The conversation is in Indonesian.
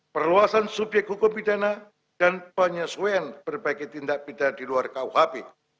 perluasan subyek hukum pidana dan penyesuaian berbagai tindak pidana di luar kuhp